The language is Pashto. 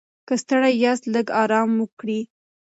که ستړي یاست، لږ ارام وکړئ.